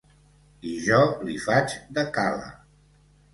I jo li faig de cala.